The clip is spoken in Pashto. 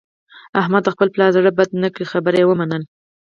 احمد د خپل پلار زړه بد نه کړ، خبره یې ومنله.